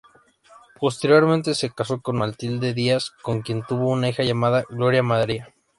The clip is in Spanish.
Posteriormente se casó con Matilde Díaz con quien tuvo una hija llamada Gloria María.